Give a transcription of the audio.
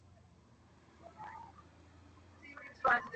Sorry, Guna.